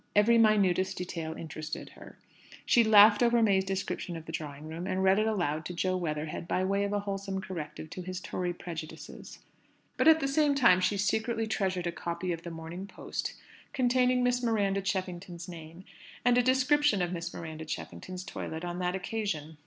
Every minutest detail interested her. She laughed over May's description of the Drawing room, and read it out aloud to Jo Weatherhead by way of a wholesome corrective to his Tory prejudices. But at the same time she secretly treasured a copy of the Morning Post containing Miss Miranda Cheffington's name, and a description of Miss Miranda Cheffington's toilet on that occasion.